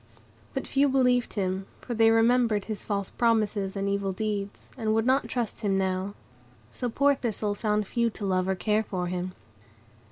But few believed him; for they remembered his false promises and evil deeds, and would not trust him now; so poor Thistle found few to love or care for him.